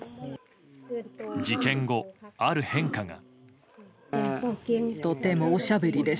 事件後、ある変化が。